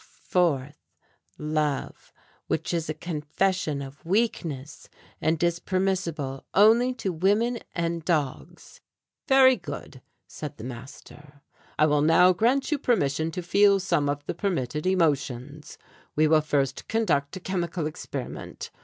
Fourth, love, which is a confession of weakness, and is permissible only to women and dogs." "Very good," said the master, "I will now grant you permission to feel some of the permitted emotions. We will first conduct a chemical experiment.